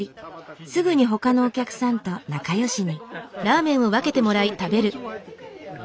すぐに他のお客さんと仲良しに。